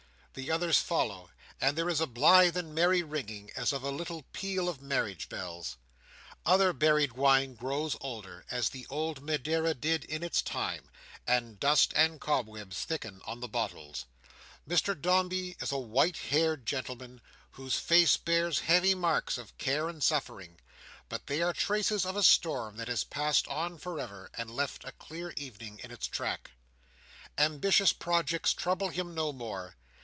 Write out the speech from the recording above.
The others follow; and there is a blithe and merry ringing, as of a little peal of marriage bells. Other buried wine grows older, as the old Madeira did in its time; and dust and cobwebs thicken on the bottles. Mr Dombey is a white haired gentleman, whose face bears heavy marks of care and suffering; but they are traces of a storm that has passed on for ever, and left a clear evening in its track. Ambitious projects trouble him no more.